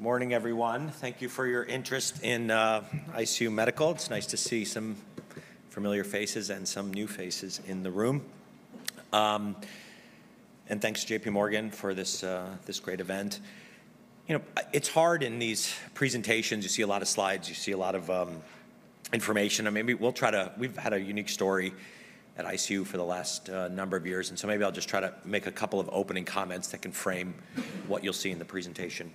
Morning, everyone. Thank you for your interest in ICU Medical. It's nice to see some familiar faces and some new faces in the room, and thanks to JPMorgan for this great event. You know, it's hard in these presentations. You see a lot of slides. You see a lot of information, and maybe we'll try to. We've had a unique story at ICU for the last number of years, and so maybe I'll just try to make a couple of opening comments that can frame what you'll see in the presentation.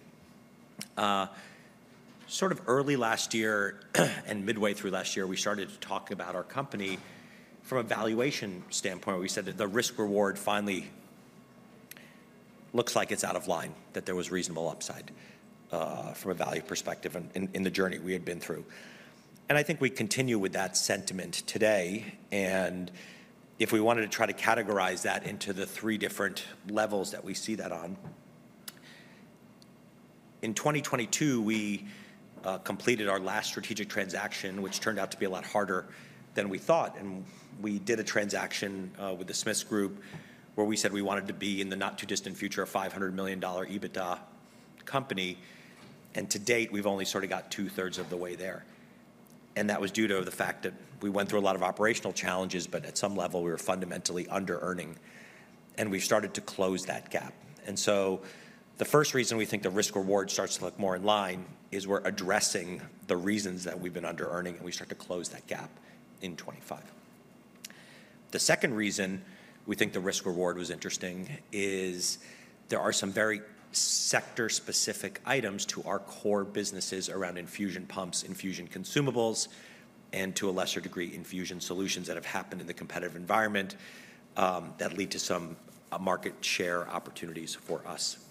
Sort of early last year and midway through last year, we started talking about our company from a valuation standpoint. We said that the risk-reward finally looks like it's out of line, that there was reasonable upside from a value perspective in the journey we had been through, and I think we continue with that sentiment today. And if we wanted to try to categorize that into the three different levels that we see that on, in 2022, we completed our last strategic transaction, which turned out to be a lot harder than we thought. And we did a transaction with the Smiths Group where we said we wanted to be in the not-too-distant future a $500 million EBITDA company. And to date, we've only sort of got two-thirds of the way there. And that was due to the fact that we went through a lot of operational challenges, but at some level, we were fundamentally under-earning. And we've started to close that gap. And so the first reason we think the risk-reward starts to look more in line is we're addressing the reasons that we've been under-earning, and we start to close that gap in 2025. The second reason we think the risk-reward was interesting is there are some very sector-specific items to our core businesses around infusion pumps, infusion consumables, and to a lesser degree, infusion solutions that have happened in the competitive environment that lead to some market share opportunities for us.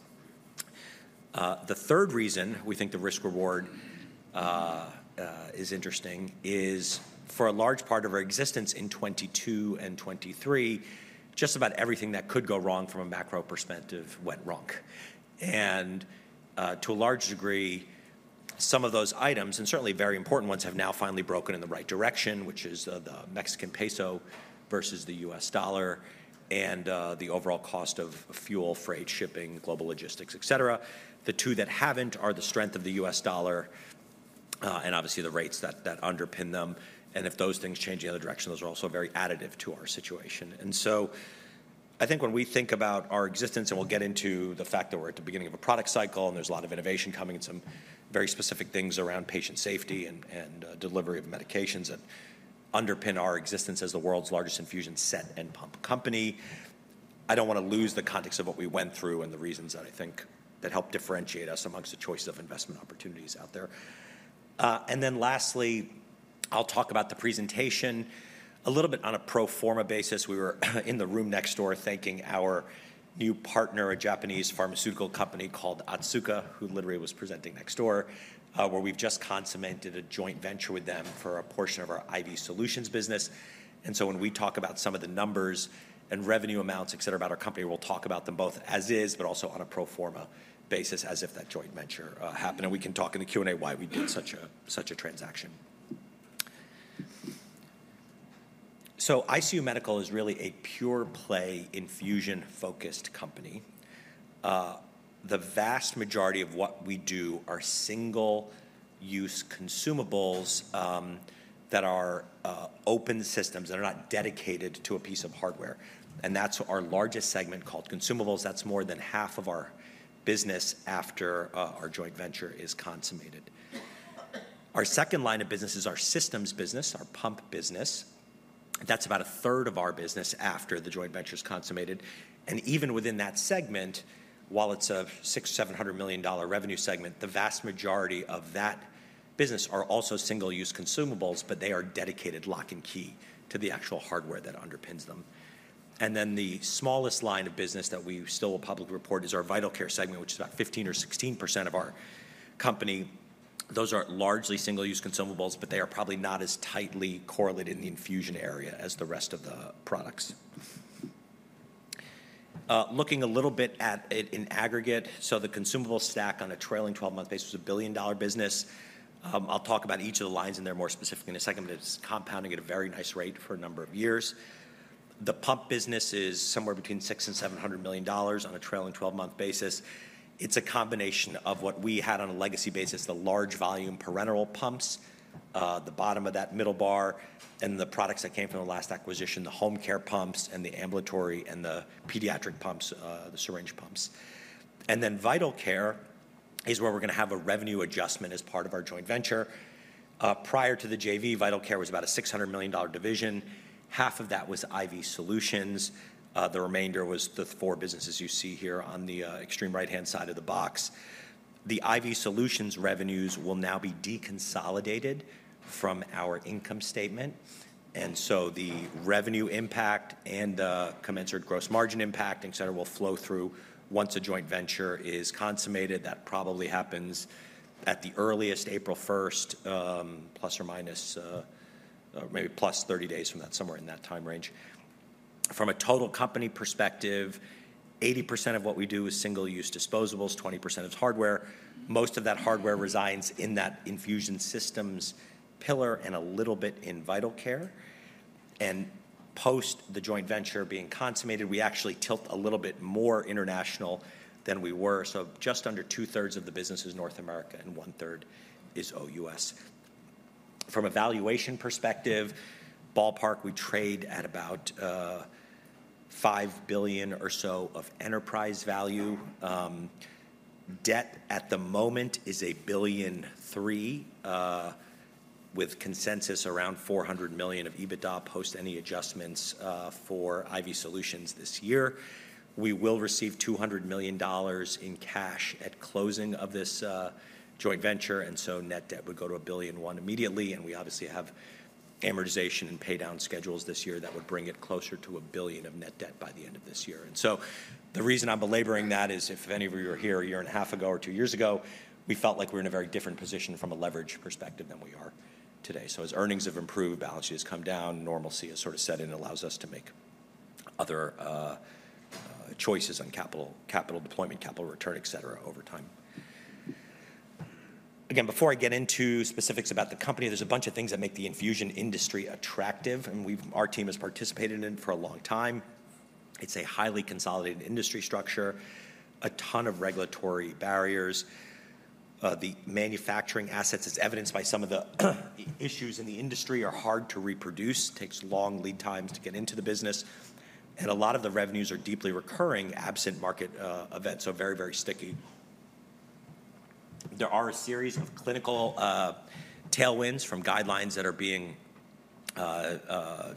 The third reason we think the risk-reward is interesting is for a large part of our existence in 2022 and 2023, just about everything that could go wrong from a macro perspective went wrong. And to a large degree, some of those items, and certainly very important ones, have now finally broken in the right direction, which is the Mexican peso versus the US dollar and the overall cost of fuel freight, shipping, global logistics, et cetera. The two that haven't are the strength of the US dollar and obviously the rates that underpin them. If those things change the other direction, those are also very additive to our situation. So I think when we think about our existence, and we'll get into the fact that we're at the beginning of a product cycle, and there's a lot of innovation coming and some very specific things around patient safety and delivery of medications that underpin our existence as the world's largest infusion set and pump company, I don't want to lose the context of what we went through and the reasons that I think that helped differentiate us among the choices of investment opportunities out there. Then lastly, I'll talk about the presentation a little bit on a pro forma basis. We were in the room next door thanking our new partner, a Japanese pharmaceutical company called Otsuka, who literally was presenting next door, where we've just consummated a joint venture with them for a portion of our IV solutions business, and so when we talk about some of the numbers and revenue amounts, et cetera, about our company, we'll talk about them both as is, but also on a pro forma basis as if that joint venture happened, and we can talk in the Q&A why we did such a transaction, so ICU Medical is really a pure-play infusion-focused company. The vast majority of what we do are single-use consumables that are open systems that are not dedicated to a piece of hardware. And that's our largest segment called Consumables. That's more than half of our business after our joint venture is consummated. Our second line of business is our systems business, our pump business. That's about a third of our business after the joint venture is consummated. And even within that segment, while it's a $600 million-$700 million revenue segment, the vast majority of that business are also single-use consumables, but they are dedicated lock and key to the actual hardware that underpins them. And then the smallest line of business that we still will publicly report is our Vital Care segment, which is about 15% or 16% of our company. Those are largely single-use consumables, but they are probably not as tightly correlated in the infusion area as the rest of the products. Looking a little bit at it in aggregate, so the consumable stack on a trailing 12-month basis was a billion-dollar business. I'll talk about each of the lines in there more specifically in a second, but it's compounding at a very nice rate for a number of years. The pump business is somewhere between $600 million-$700 million on a trailing 12-month basis. It's a combination of what we had on a legacy basis, the large volume parenteral pumps, the bottom of that middle bar, and the products that came from the last acquisition, the home care pumps and the ambulatory and the pediatric pumps, the syringe pumps. And then Vital Care is where we're going to have a revenue adjustment as part of our joint venture. Prior to the JV, Vital Care was about a $600 million division. Half of that was IV solutions. The remainder was the four businesses you see here on the extreme right-hand side of the box. The IV solutions revenues will now be deconsolidated from our income statement, and so the revenue impact and the commensurate gross margin impact, et cetera, will flow through once a joint venture is consummated. That probably happens at the earliest, April 1st, plus or minus, or maybe plus 30 days from that, somewhere in that time range. From a total company perspective, 80% of what we do is single-use disposables, 20% is hardware. Most of that hardware resides in that Infusion Systems pillar and a little bit in Vital Care, and post the joint venture being consummated, we actually tilt a little bit more international than we were, so just under two-thirds of the business is North America and one-third is OUS. From a valuation perspective, ballpark, we trade at about $5 billion or so of enterprise value. Debt at the moment is $1.3 billion, with consensus around $400 million of EBITDA post any adjustments for IV solutions this year. We will receive $200 million in cash at closing of this joint venture, and so net debt would go to $1.1 billion immediately, and we obviously have amortization and paydown schedules this year that would bring it closer to $1 billion of net debt by the end of this year, and so the reason I'm belaboring that is if any of you were here a year and a half ago or two years ago, we felt like we were in a very different position from a leverage perspective than we are today, so as earnings have improved, balance sheet has come down, normalcy has sort of set in, and allows us to make other choices on capital deployment, capital return, et cetera, over time. Again, before I get into specifics about the company, there's a bunch of things that make the infusion industry attractive, and our team has participated in for a long time. It's a highly consolidated industry structure, a ton of regulatory barriers. The manufacturing assets, as evidenced by some of the issues in the industry, are hard to reproduce. It takes long lead times to get into the business, and a lot of the revenues are deeply recurring absent market events, so very, very sticky. There are a series of clinical tailwinds from guidelines that are being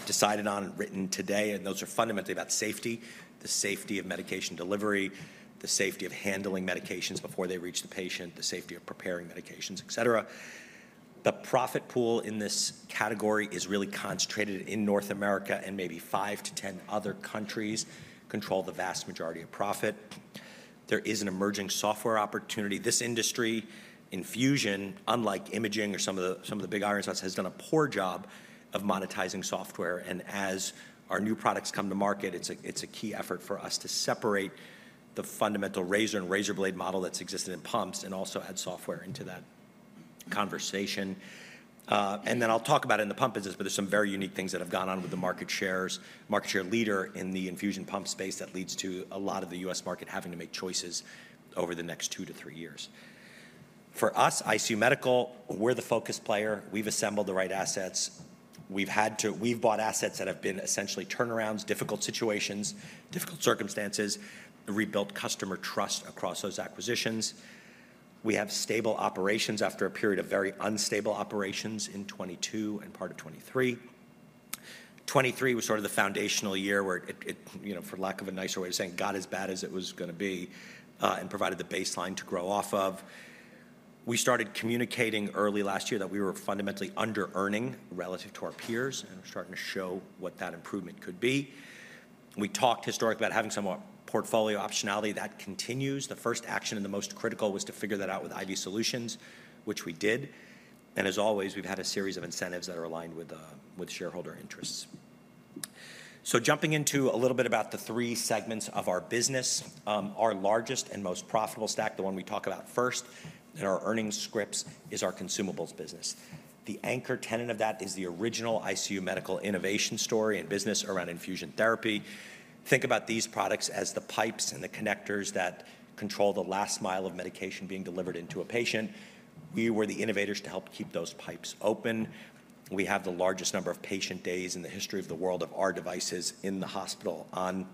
decided on and written today, and those are fundamentally about safety, the safety of medication delivery, the safety of handling medications before they reach the patient, the safety of preparing medications, et cetera. The profit pool in this category is really concentrated in North America and maybe five to 10 other countries control the vast majority of profit. There is an emerging software opportunity. This industry, infusion, unlike imaging or some of the big irons, has done a poor job of monetizing software. And as our new products come to market, it's a key effort for us to separate the fundamental razor and razor blade model that's existed in pumps and also add software into that conversation. And then I'll talk about it in the pump business, but there's some very unique things that have gone on with the market shares, market share leader in the infusion pump space that leads to a lot of the U.S. market having to make choices over the next two to three years. For us, ICU Medical, we're the focus player. We've assembled the right assets. We've bought assets that have been essentially turnarounds, difficult situations, difficult circumstances, rebuilt customer trust across those acquisitions. We have stable operations after a period of very unstable operations in 2022 and part of 2023. 2023 was sort of the foundational year where, for lack of a nicer way of saying it, got as bad as it was going to be and provided the baseline to grow off of. We started communicating early last year that we were fundamentally under-earning relative to our peers, and we're starting to show what that improvement could be. We talked historically about having some portfolio optionality. That continues. The first action and the most critical was to figure that out with IV solutions, which we did. As always, we've had a series of incentives that are aligned with shareholder interests. So jumping into a little bit about the three segments of our business, our largest and most profitable stack, the one we talk about first, and our earnings scripts is our consumables business. The anchor tenet of that is the original ICU Medical innovation story and business around infusion therapy. Think about these products as the pipes and the connectors that control the last mile of medication being delivered into a patient. We were the innovators to help keep those pipes open. We have the largest number of patient days in the history of the world of our devices in the hospital on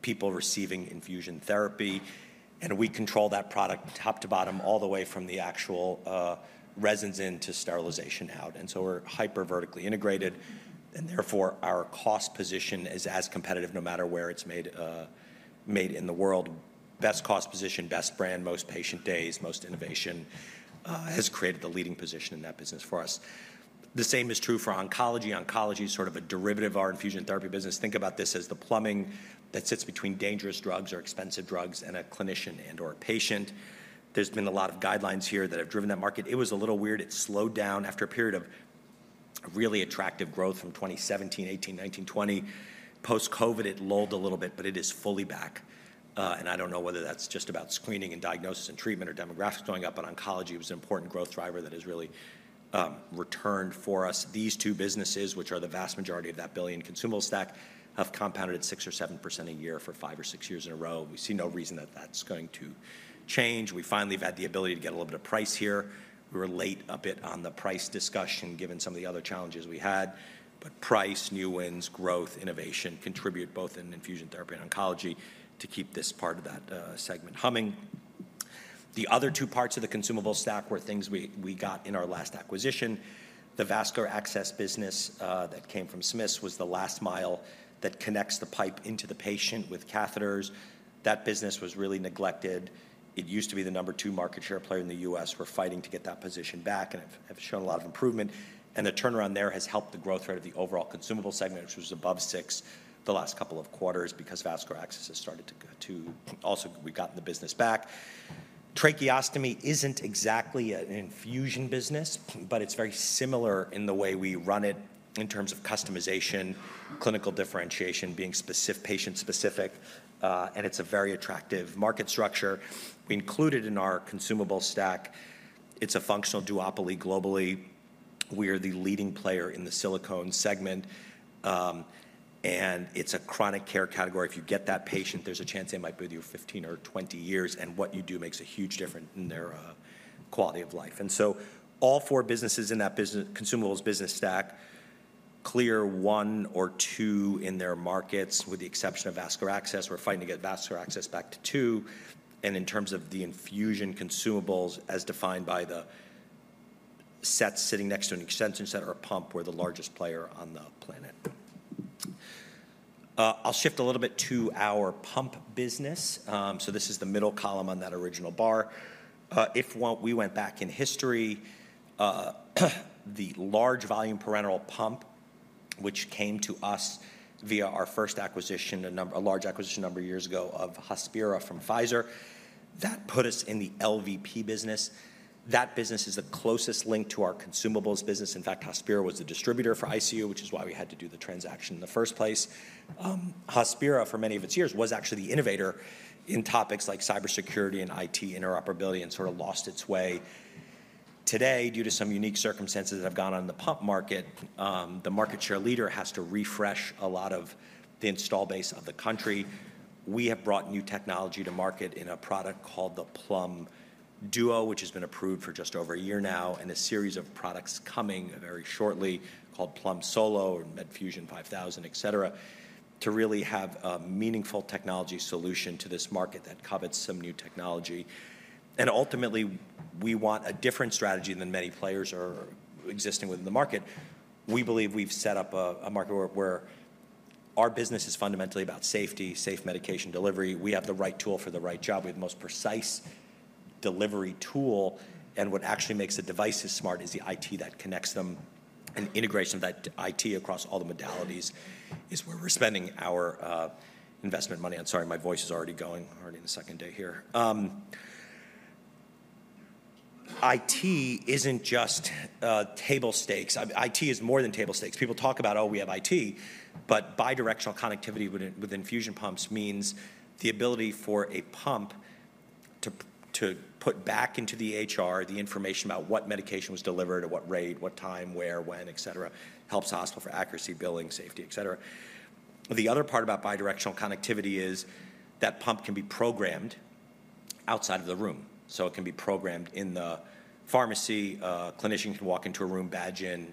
people receiving infusion therapy. And we control that product top to bottom, all the way from the actual resins in to sterilization out. And so we're hyper-vertically integrated. And therefore, our cost position is as competitive no matter where it's made in the world. Best cost position, best brand, most patient days, most innovation has created the leading position in that business for us. The same is true for oncology. Oncology is sort of a derivative of our infusion therapy business. Think about this as the plumbing that sits between dangerous drugs or expensive drugs and a clinician and/or a patient. There's been a lot of guidelines here that have driven that market. It was a little weird. It slowed down after a period of really attractive growth from 2017, 2018, 2019, 2020. Post-COVID, it lulled a little bit, but it is fully back. And I don't know whether that's just about screening and diagnosis and treatment or demographics going up, but oncology was an important growth driver that has really returned for us. These two businesses, which are the vast majority of that billion consumable stack, have compounded at 6% or 7% a year for five or six years in a row. We see no reason that that's going to change. We finally have had the ability to get a little bit of price here. We were late a bit on the price discussion given some of the other challenges we had. But price, new wins, growth, innovation contribute both in infusion therapy and oncology to keep this part of that segment humming. The other two parts of the consumable stack were things we got in our last acquisition. The vascular access business that came from Smiths was the last mile that connects the pipe into the patient with catheters. That business was really neglected. It used to be the number two market share player in the U.S. We're fighting to get that position back and have shown a lot of improvement. And the turnaround there has helped the growth rate of the overall consumable segment, which was above 6% the last couple of quarters because vascular access has started to. Also, we've gotten the business back. Tracheostomy isn't exactly an infusion business, but it's very similar in the way we run it in terms of customization, clinical differentiation, being patient-specific. And it's a very attractive market structure. We included in our consumable stack. It's a functional duopoly globally. We are the leading player in the silicone segment. And it's a chronic care category. If you get that patient, there's a chance they might be with you for 15 or 20 years. And what you do makes a huge difference in their quality of life. And so all four businesses in that consumables business stack clear one or two in their markets with the exception of vascular access. We're fighting to get vascular access back to two. And in terms of the infusion consumables as defined by the set sitting next to an extension set or a pump, we're the largest player on the planet. I'll shift a little bit to our pump business. So this is the middle column on that original bar. If we went back in history, the large volume parenteral pump, which came to us via our first acquisition, a large acquisition number of years ago of Hospira from Pfizer, that put us in the LVP business. That business is the closest link to our consumables business. In fact, Hospira was the distributor for ICU, which is why we had to do the transaction in the first place. Hospira, for many of its years, was actually the innovator in topics like cybersecurity and IT interoperability and sort of lost its way. Today, due to some unique circumstances that have gone on in the pump market, the market share leader has to refresh a lot of the installed base of the country. We have brought new technology to market in a product called the Plum Duo, which has been approved for just over a year now, and a series of products coming very shortly called Plum Solo and Medfusion 5000, et cetera, to really have a meaningful technology solution to this market that covers some new technology. Ultimately, we want a different strategy than many players are existing within the market. We believe we've set up a market where our business is fundamentally about safety, safe medication delivery. We have the right tool for the right job. We have the most precise delivery tool. And what actually makes a device as smart is the IT that connects them. And integration of that IT across all the modalities is where we're spending our investment money. I'm sorry, my voice is already going in the second day here. IT isn't just table stakes. IT is more than table stakes. People talk about, "Oh, we have IT," but bidirectional connectivity with infusion pumps means the ability for a pump to put back into the EHR the information about what medication was delivered at what rate, what time, where, when, et cetera, helps hospital for accuracy, billing, safety, et cetera. The other part about bidirectional connectivity is that pump can be programmed outside of the room. So it can be programmed in the pharmacy. A clinician can walk into a room, badge in,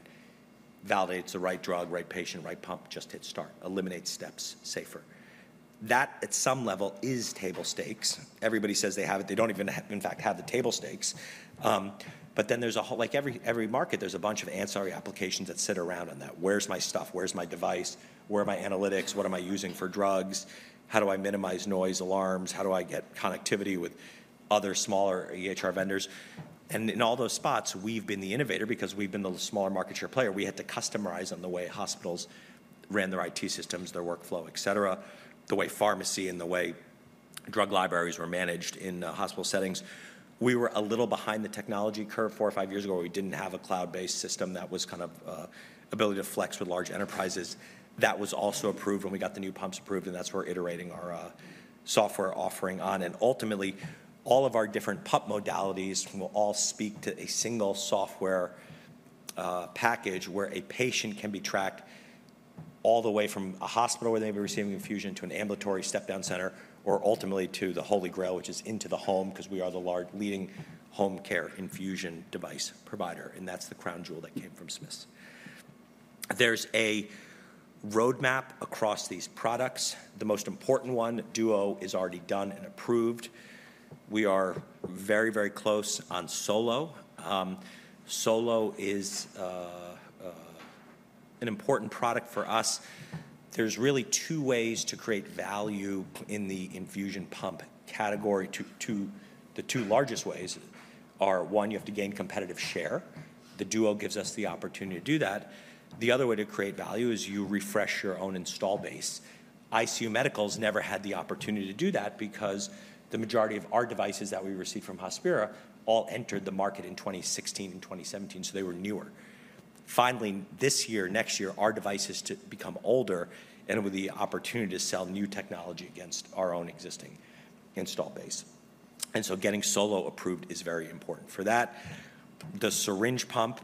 validates the right drug, right patient, right pump, just hit start, eliminates steps, safer. That, at some level, is table stakes. Everybody says they have it. They don't even, in fact, have the table stakes. But then there's a whole like every market, there's a bunch of ancillary applications that sit around on that. Where's my stuff? Where's my device? Where are my analytics? What am I using for drugs? How do I minimize noise alarms? How do I get connectivity with other smaller EHR vendors? And in all those spots, we've been the innovator because we've been the smaller market share player. We had to customize on the way hospitals ran their IT systems, their workflow, et cetera, the way pharmacy and the way drug libraries were managed in hospital settings. We were a little behind the technology curve four or five years ago. We didn't have a cloud-based system that was kind of ability to flex with large enterprises. That was also approved when we got the new pumps approved, and that's where we're iterating our software offering on, and ultimately, all of our different pump modalities will all speak to a single software package where a patient can be tracked all the way from a hospital where they may be receiving infusion to an ambulatory step-down center or ultimately to the Holy Grail, which is into the home because we are the leading home care infusion device provider, and that's the crown jewel that came from Smiths. There's a roadmap across these products. The most important one, Duo, is already done and approved. We are very, very close on Solo. Solo is an important product for us. There's really two ways to create value in the infusion pump category. The two largest ways are, one, you have to gain competitive share. The Duo gives us the opportunity to do that. The other way to create value is you refresh your own install base. ICU Medical has never had the opportunity to do that because the majority of our devices that we received from Hospira all entered the market in 2016 and 2017, so they were newer. Finally, this year, next year, our devices become older, and it will be the opportunity to sell new technology against our own existing install base. And so getting Solo approved is very important for that. The syringe pump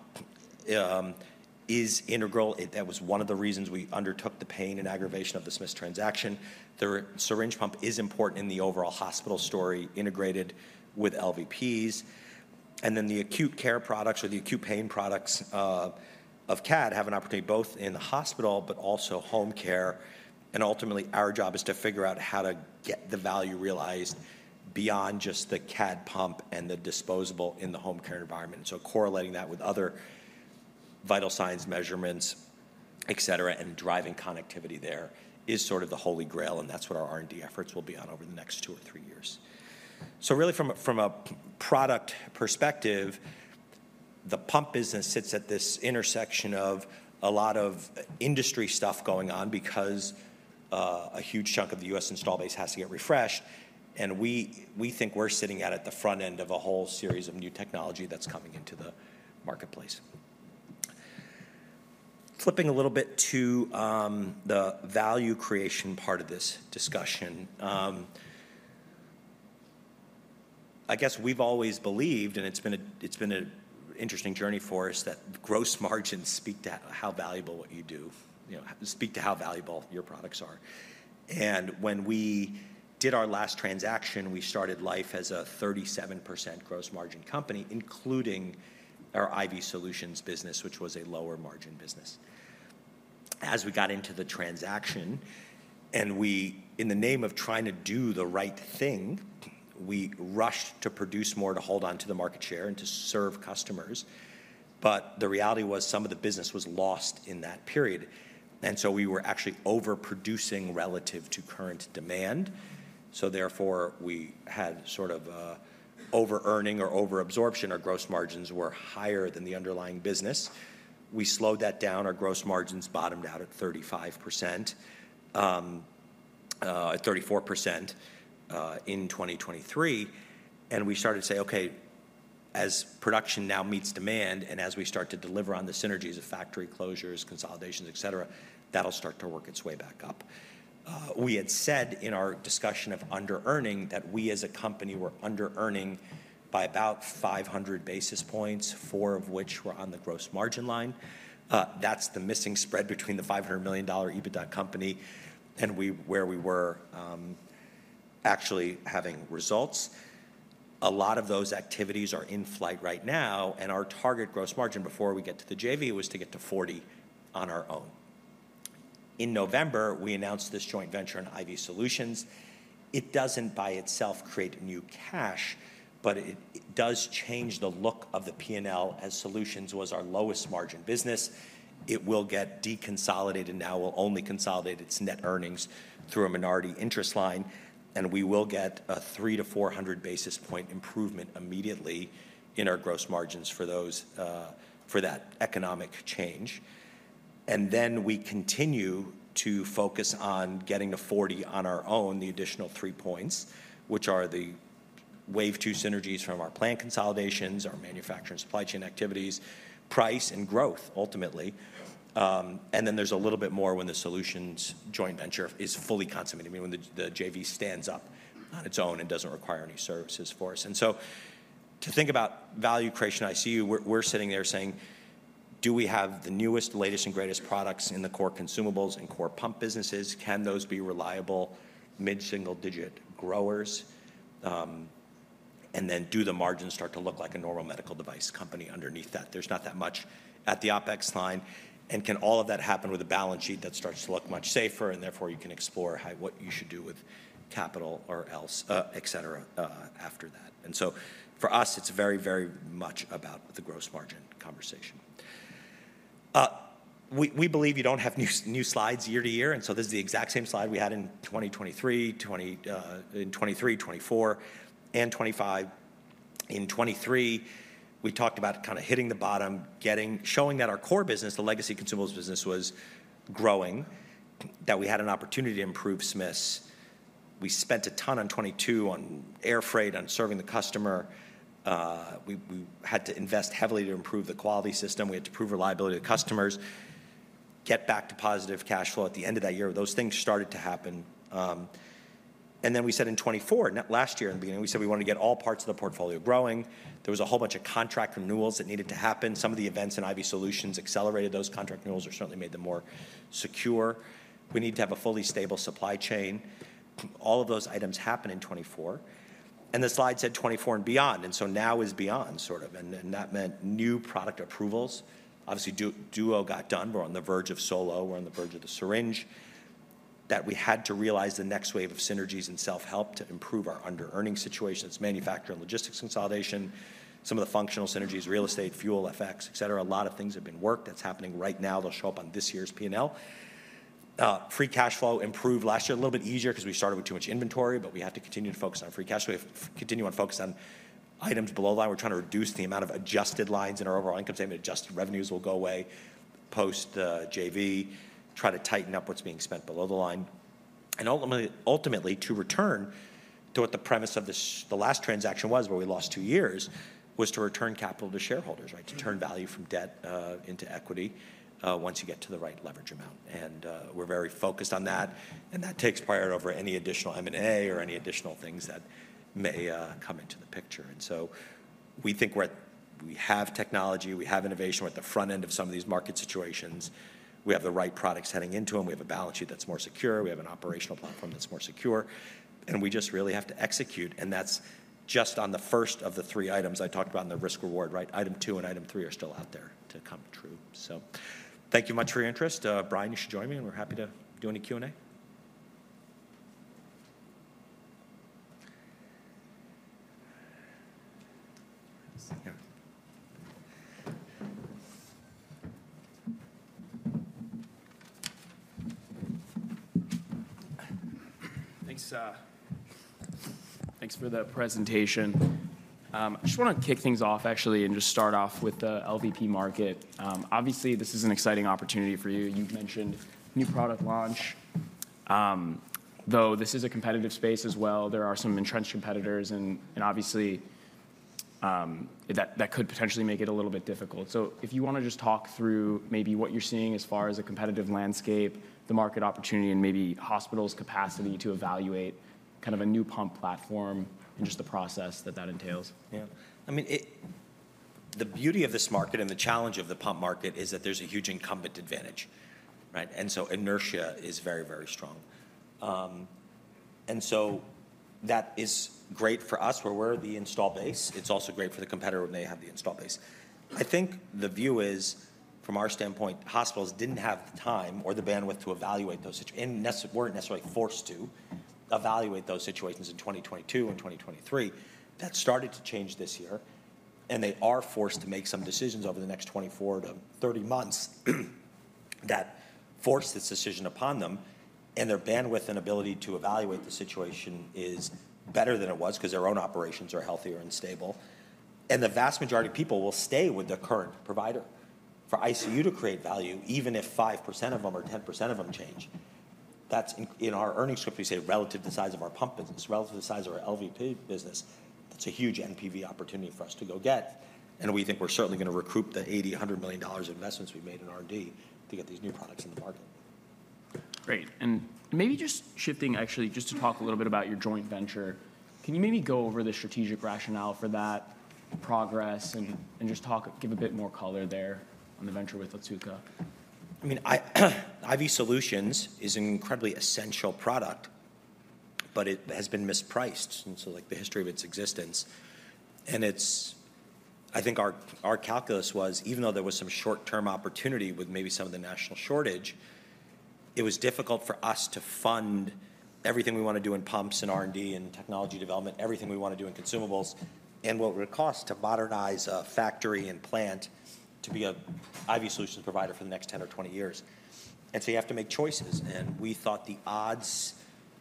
is integral. That was one of the reasons we undertook the pain and aggravation of the Smiths transaction. The syringe pump is important in the overall hospital story, integrated with LVPs. And then the acute care products or the acute pain products of CADD have an opportunity both in the hospital but also home care. And ultimately, our job is to figure out how to get the value realized beyond just the CADD pump and the disposable in the home care environment. And so correlating that with other vital signs, measurements, et cetera, and driving connectivity there is sort of the Holy Grail. And that's what our R&D efforts will be on over the next two or three years. So really, from a product perspective, the pump business sits at this intersection of a lot of industry stuff going on because a huge chunk of the U.S. install base has to get refreshed. And we think we're sitting at the front end of a whole series of new technology that's coming into the marketplace. Flipping a little bit to the value creation part of this discussion, I guess we've always believed, and it's been an interesting journey for us, that gross margins speak to how valuable what you do, speak to how valuable your products are. And when we did our last transaction, we started life as a 37% gross margin company, including our IV solutions business, which was a lower margin business. As we got into the transaction and we, in the name of trying to do the right thing, we rushed to produce more to hold on to the market share and to serve customers. But the reality was some of the business was lost in that period. And so we were actually overproducing relative to current demand. So therefore, we had sort of over-earning or over-absorption. Our gross margins were higher than the underlying business. We slowed that down. Our gross margins bottomed out at 35%, 34% in 2023. We started to say, "Okay, as production now meets demand and as we start to deliver on the synergies of factory closures, consolidations, et cetera, that'll start to work its way back up." We had said in our discussion of under-earning that we as a company were under-earning by about 500 basis points, four of which were on the gross margin line. That's the missing spread between the $500 million EBITDA company and where we were actually having results. A lot of those activities are in flight right now. Our target gross margin before we get to the JV was to get to 40% on our own. In November, we announced this joint venture in IV solutions. It doesn't by itself create new cash, but it does change the look of the P&L as solutions was our lowest margin business. It will get de-consolidated now. It will only consolidate its net earnings through a minority interest line. And we will get a 300-400 basis point improvement immediately in our gross margins for that economic change. And then we continue to focus on getting to 40 on our own, the additional three points, which are the wave two synergies from our plant consolidations, our manufacturing supply chain activities, price, and growth ultimately. And then there's a little bit more when the solutions joint venture is fully consummated, meaning when the JV stands up on its own and doesn't require any services for us. And so to think about value creation ICU, we're sitting there saying, "Do we have the newest, latest, and greatest products in the core consumables and core pump businesses? Can those be reliable mid-single-digit growers?" And then do the margins start to look like a normal medical device company underneath that? There's not that much at the OpEx line. And can all of that happen with a balance sheet that starts to look much safer? And therefore, you can explore what you should do with capital or else, et cetera, after that. And so for us, it's very, very much about the gross margin conversation. We believe you don't have new slides year to year. And so this is the exact same slide we had in 2023, 2024, and 2025. In 2023, we talked about kind of hitting the bottom, showing that our core business, the legacy consumables business, was growing, that we had an opportunity to improve Smiths. We spent a ton in 2022 on air freight, on serving the customer. We had to invest heavily to improve the quality system. We had to prove reliability to customers, get back to positive cash flow at the end of that year. Those things started to happen, and then we said in 2024, last year in the beginning, we said we wanted to get all parts of the portfolio growing. There was a whole bunch of contract renewals that needed to happen. Some of the events in IV solutions accelerated those contract renewals or certainly made them more secure. We need to have a fully stable supply chain. All of those items happen in 2024. The slide said 24 and beyond. Now is beyond, sort of. That meant new product approvals. Obviously, Duo got done. We're on the verge of Solo. We're on the verge of the syringe that we had to realize the next wave of synergies and self-help to improve our under-earning situations, manufacturing logistics consolidation, some of the functional synergies, real estate, fuel, FX, et cetera. A lot of things have been worked. That's happening right now. They'll show up on this year's P&L. Free cash flow improved last year. A little bit easier because we started with too much inventory, but we have to continue to focus on free cash. We have to continue on focus on items below line. We're trying to reduce the amount of adjusted lines in our overall income statement. Adjusted revenues will go away post-JV. Try to tighten up what's being spent below the line. And ultimately, to return to what the premise of the last transaction was, where we lost two years, was to return capital to shareholders, right, to turn value from debt into equity once you get to the right leverage amount. And we're very focused on that. And that takes priority over any additional M&A or any additional things that may come into the picture. And so we think we have technology. We have innovation. We're at the front end of some of these market situations. We have the right products heading into them. We have a balance sheet that's more secure. We have an operational platform that's more secure. And we just really have to execute. And that's just on the first of the three items I talked about in the risk-reward, right? Item two and item three are still out there to come true, so thank you much for your interest. Brian, you should join me, and we're happy to do any Q&A. Thanks for the presentation. I just want to kick things off, actually, and just start off with the LVP market. Obviously, this is an exciting opportunity for you. You've mentioned new product launch. Though this is a competitive space as well, there are some entrenched competitors, and obviously, that could potentially make it a little bit difficult, so if you want to just talk through maybe what you're seeing as far as a competitive landscape, the market opportunity, and maybe hospitals' capacity to evaluate kind of a new pump platform and just the process that that entails. I mean, the beauty of this market and the challenge of the pump market is that there's a huge incumbent advantage, right? And so inertia is very, very strong. And so that is great for us where we're the installed base. It's also great for the competitor when they have the installed base. I think the view is, from our standpoint, hospitals didn't have the time or the bandwidth to evaluate those situations and weren't necessarily forced to evaluate those situations in 2022 and 2023. That started to change this year. And they are forced to make some decisions over the next 24 to 30 months that force this decision upon them. And their bandwidth and ability to evaluate the situation is better than it was because their own operations are healthier and stable. The vast majority of people will stay with the current provider for ICU to create value, even if 5% of them or 10% of them change. In our earnings script, we say relative to the size of our pump business, relative to the size of our LVP business, that's a huge NPV opportunity for us to go get. We think we're certainly going to recoup the $800 million investments we've made in R&D to get these new products in the market. Great. Maybe just shifting, actually, just to talk a little bit about your joint venture, can you maybe go over the strategic rationale for that progress and just give a bit more color there on the venture with Otsuka? I mean, IV solutions is an incredibly essential product, but it has been mispriced since the history of its existence. I think our calculus was, even though there was some short-term opportunity with maybe some of the national shortage, it was difficult for us to fund everything we want to do in pumps and R&D and technology development, everything we want to do in consumables, and what would it cost to modernize a factory and plant to be an IV solutions provider for the next 10 or 20 years. You have to make choices. We thought the odds,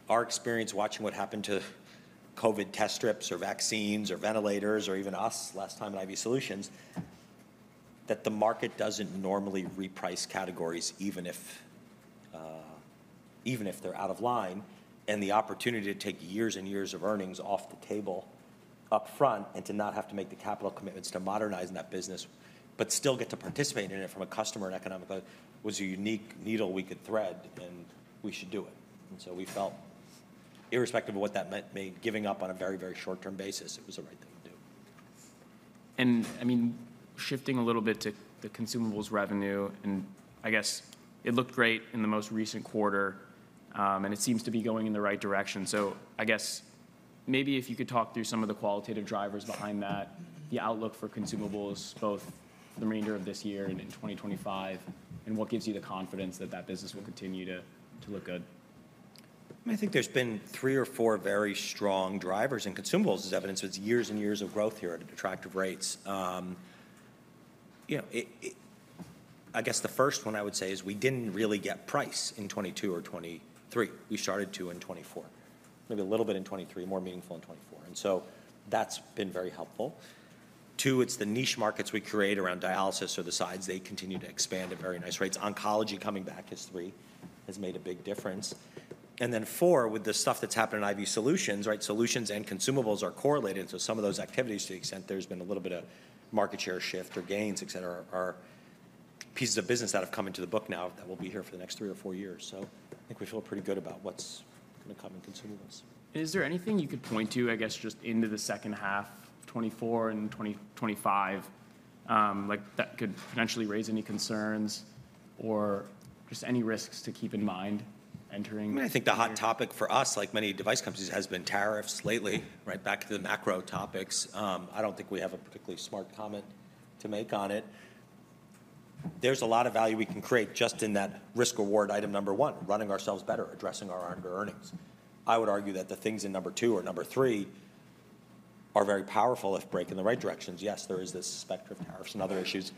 our experience watching what happened to COVID test strips or vaccines or ventilators or even us last time at IV solutions, that the market doesn't normally reprice categories even if they're out of line. And the opportunity to take years and years of earnings off the table upfront and to not have to make the capital commitments to modernize in that business, but still get to participate in it from a customer and economically was a unique needle we could thread, and we should do it. And so we felt, irrespective of what that meant, giving up on a very, very short-term basis, it was the right thing to do. And I mean, shifting a little bit to the consumables revenue, and I guess it looked great in the most recent quarter, and it seems to be going in the right direction. So I guess maybe if you could talk through some of the qualitative drivers behind that, the outlook for consumables, both the remainder of this year and in 2025, and what gives you the confidence that that business will continue to look good? I think there's been three or four very strong drivers, and consumables is evidence of years and years of growth here at attractive rates. I guess the first one I would say is we didn't really get price in 2022 or 2023. We started to in 2024, maybe a little bit in 2023, more meaningful in 2024. And so that's been very helpful. Two, it's the niche markets we create around dialysis or the sites. They continue to expand at very nice rates. Oncology coming back has made a big difference. And then four, with the stuff that's happened in IV solutions, right? Solutions and consumables are correlated, and so some of those activities, to the extent there's been a little bit of market share shift or gains, et cetera, are pieces of business that have come into the book now that will be here for the next three or four years, so I think we feel pretty good about what's going to come in consumables. Is there anything you could point to, I guess, just into the second half of 2024 and 2025 that could potentially raise any concerns or just any risks to keep in mind entering? I mean, I think the hot topic for us, like many device companies, has been tariffs lately, right? Back to the macro topics. I don't think we have a particularly smart comment to make on it. There's a lot of value we can create just in that risk-reward item number one, running ourselves better, addressing our under-earning. I would argue that the things in number two or number three are very powerful if they break in the right directions. Yes, there is this specter of tariffs and other issues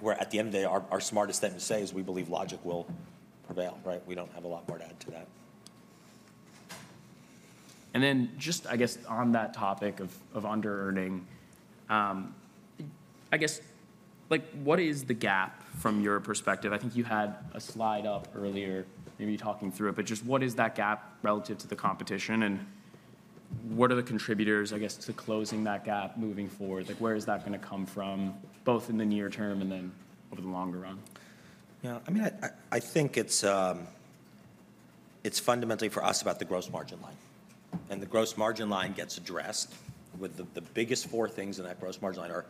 where at the end of the day, our smartest thing to say is we believe logic will prevail, right? We don't have a lot more to add to that. And then just, I guess, on that topic of under-earning, I guess, what is the gap from your perspective? I think you had a slide up earlier, maybe talking through it, but just what is that gap relative to the competition? And what are the contributors, I guess, to closing that gap moving forward? Where is that going to come from, both in the near term and then over the longer run? Yeah. I mean, I think it's fundamentally for us about the gross margin line. And the gross margin line gets addressed with the biggest four things in that gross margin line are: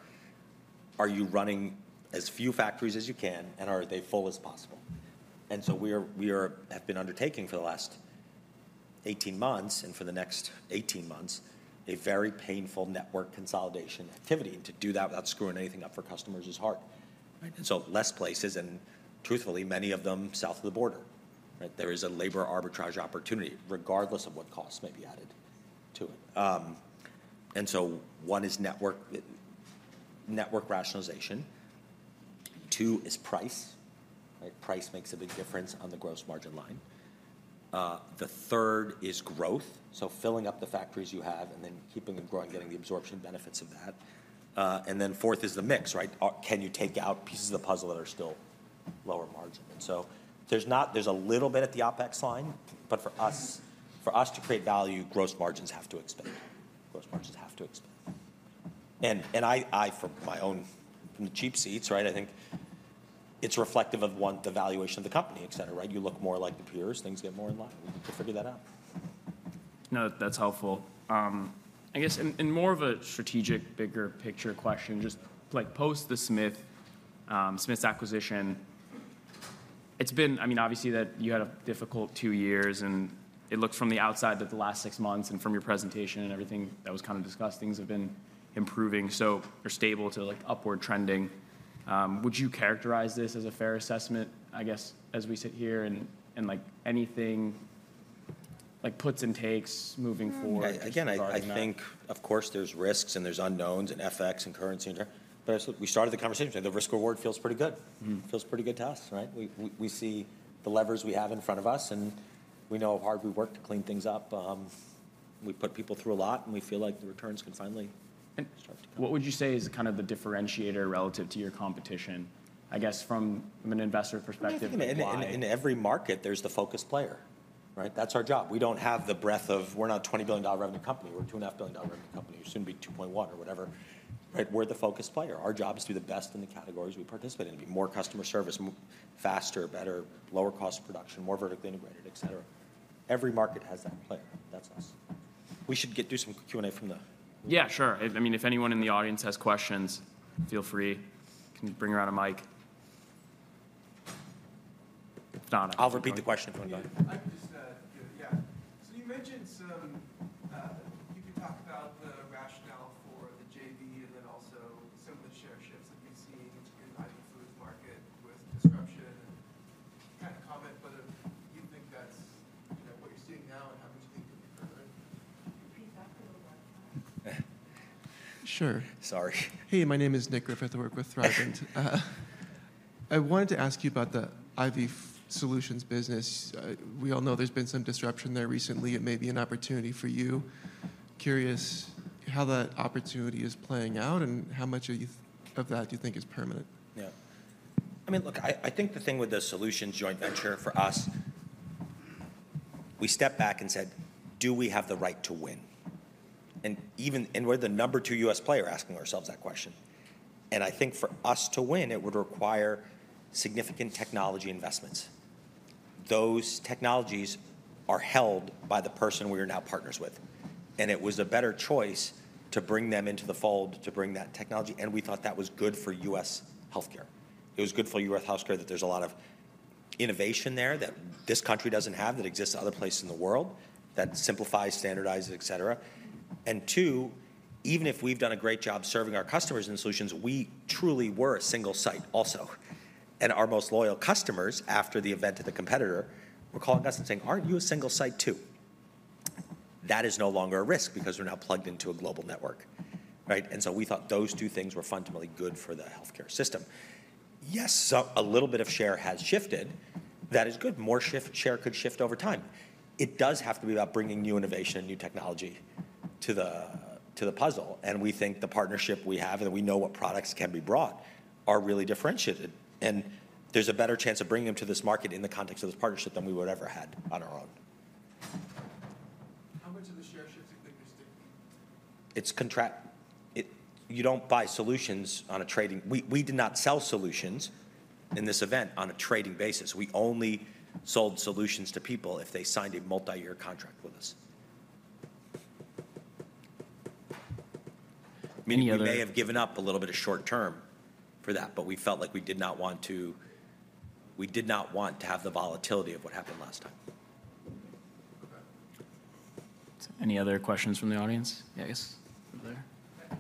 are you running as few factories as you can, and are they full as possible? And so we have been undertaking for the last 18 months and for the next 18 months a very painful network consolidation activity. And to do that without screwing anything up for customers is hard. And so less places, and truthfully, many of them south of the border, right? There is a labor arbitrage opportunity regardless of what costs may be added to it. And so one is network rationalization. Two is price. Price makes a big difference on the gross margin line. The third is growth, so filling up the factories you have and then keeping them growing, getting the absorption benefits of that, and then fourth is the mix, right? Can you take out pieces of the puzzle that are still lower margin, and so there's a little bit at the OpEx line, but for us to create value, gross margins have to expand. Gross margins have to expand, and I, from my own cheap seats, right, I think it's reflective of the valuation of the company, et cetera, right? You look more like the peers. Things get more in line. We need to figure that out. No, that's helpful. I guess in more of a strategic, bigger picture question, just post the Smiths acquisition, it's been, I mean, obviously that you had a difficult two years. It looks from the outside that the last six months and from your presentation and everything that was kind of discussed, things have been improving. You're stable to upward trending. Would you characterize this as a fair assessment, I guess, as we sit here and anything puts and takes moving forward? Yeah. Again, I think, of course, there's risks and there's unknowns and FX and currency and trend. But we started the conversation. The risk-reward feels pretty good. Feels pretty good to us, right? We see the levers we have in front of us, and we know how hard we work to clean things up. We put people through a lot, and we feel like the returns can finally start to come. What would you say is kind of the differentiator relative to your competition, I guess, from an investor perspective? In every market, there's the focus player, right? That's our job. We don't have the breadth of we're not a $20 billion revenue company. We're a $2.5 billion revenue company. We're soon to be $2.1 billion or whatever, right? We're the focus player. Our job is to be the best in the categories we participate in, be more customer service, faster, better, lower cost production, more vertically integrated, et cetera. Every market has that player. That's us. We should do some Q&A from the audience. Yeah, sure. I mean, if anyone in the audience has questions, feel free. Can you bring around a mic? I'll repeat the question if you want to go. Yeah. So you mentioned some. You could talk about the rationale for the JV and then also some of the share shifts that you've seen in the IV fluids market with disruption. Kind of comment, but do you think that's what you're seeing now, and how much do you think could be further? Sure. Sorry. Hey, my name is Nick Griffith. I work with Thrivent. I wanted to ask you about the IV solutions business. We all know there's been some disruption there recently. It may be an opportunity for you. Curious how that opportunity is playing out and how much of that do you think is permanent? Yeah. I mean, look, I think the thing with the solutions joint venture for us, we stepped back and said, "Do we have the right to win?" And we're the number two U.S. player asking ourselves that question. And I think for us to win, it would require significant technology investments. Those technologies are held by the partner we are now partners with. And it was a better choice to bring them into the fold to bring that technology. And we thought that was good for U.S. healthcare. It was good for U.S. healthcare that there's a lot of innovation there that this country doesn't have that exists in other places in the world that simplifies, standardizes, et cetera. And two, even if we've done a great job serving our customers in solutions, we truly were a single site also. And our most loyal customers after the event of the competitor were calling us and saying, "Aren't you a single site too?" That is no longer a risk because we're now plugged into a global network, right? And so we thought those two things were fundamentally good for the healthcare system. Yes, a little bit of share has shifted. That is good. More share could shift over time. It does have to be about bringing new innovation and new technology to the puzzle, and we think the partnership we have and that we know what products can be brought are really differentiated, and there's a better chance of bringing them to this market in the context of this partnership than we would have ever had on our own. How much of the share shift do you think is different? You don't buy solutions on a trading basis. We did not sell solutions in this event on a trading basis. We only sold solutions to people if they signed a multi-year contract with us. We may have given up a little bit of short-term for that, but we felt like we did not want to, we did not want to have the volatility of what happened last time. Any other questions from the audience? Yes. Can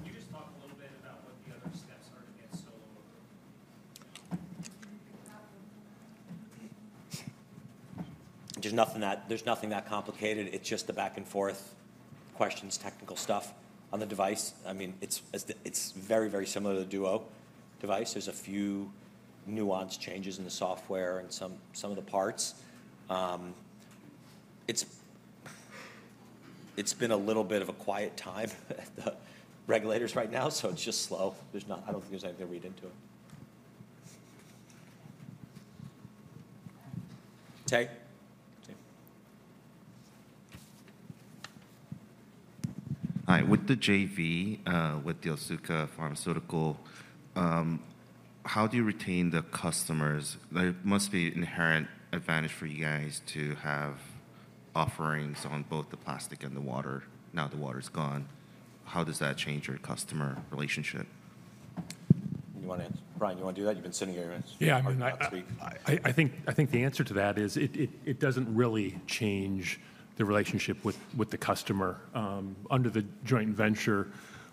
you just talk a little bit about what the other steps are to get Solo? There's nothing that complicated. It's just the back-and-forth questions, technical stuff on the device. I mean, it's very, very similar to the Duo device. There's a few nuanced changes in the software and some of the parts. It's been a little bit of a quiet time at the regulators right now, so it's just slow. I don't think there's anything to read into it. All right. With the JV with Otsuka Pharmaceutical, how do you retain the customers? There must be an inherent advantage for you guys to have offerings on both the plastic and the water. Now the water's gone. How does that change your customer relationship? You want to answer? Brian, you want to do that? You've been sitting here answering questions last week. I think the answer to that is it doesn't really change the relationship with the customer. Under the joint venture,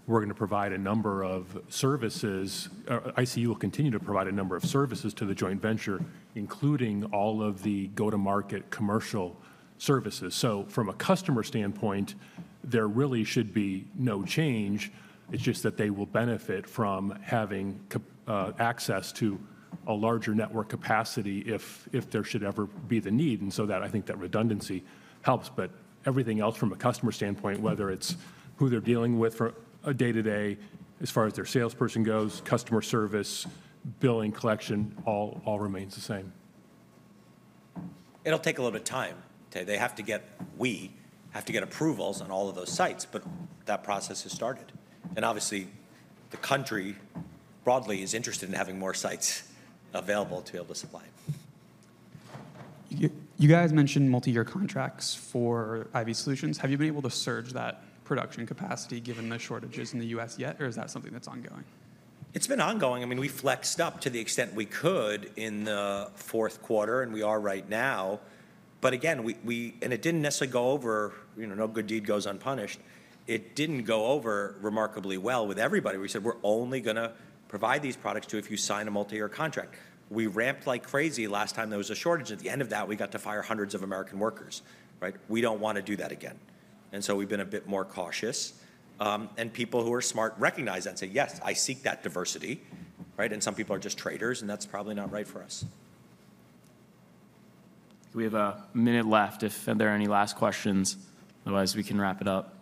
we're going to provide a number of services. ICU will continue to provide a number of services to the joint venture, including all of the go-to-market commercial services. So from a customer standpoint, there really should be no change. It's just that they will benefit from having access to a larger network capacity if there should ever be the need. And so I think that redundancy helps. But everything else from a customer standpoint, whether it's who they're dealing with for a day-to-day, as far as their salesperson goes, customer service, billing, collection, all remains the same. It'll take a little bit of time. They have to get, we have to get approvals on all of those sites, but that process has started. Obviously, the country broadly is interested in having more sites available to be able to supply. You guys mentioned multi-year contracts for IV solutions. Have you been able to surge that production capacity given the shortages in the U.S. yet, or is that something that's ongoing? It's been ongoing. I mean, we flexed up to the extent we could in the Q4, and we are right now. Again, and it didn't necessarily go over. No good deed goes unpunished. It didn't go over remarkably well with everybody. We said, "We're only going to provide these products to you if you sign a multi-year contract." We ramped like crazy last time there was a shortage. At the end of that, we got to fire hundreds of American workers, right? We don't want to do that again. So we've been a bit more cautious. And people who are smart recognize that and say, "Yes, I seek that diversity," right? And some people are just traders, and that's probably not right for us. We have a minute left if there are any last questions. Otherwise, we can wrap it up. All right.